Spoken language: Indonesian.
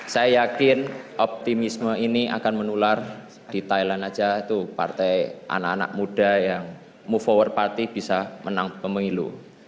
saya yakin optimisme ini akan menular di thailand saja itu partai anak anak muda yang move our party bisa menang pemilu